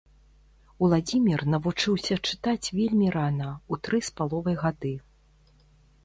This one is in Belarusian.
Уладзімір навучыўся чытаць вельмі рана, у тры з паловай гады